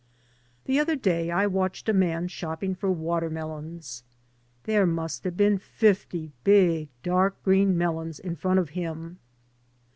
— 0O0— The other day I watched a man shopping for watermelons. There must have been 50 big, dark green melons in front of him.